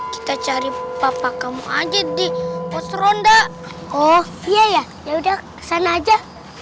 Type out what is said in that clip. kita cari papa kamu aja di pos ronda oh iya ya yaudah kesana aja